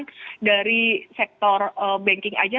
mungkin dari sektor banking aja